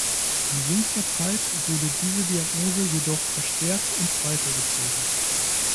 In jüngster Zeit wurde diese Diagnose jedoch verstärkt in Zweifel gezogen.